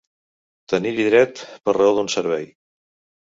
Tenir-hi dret per raó d'un servei.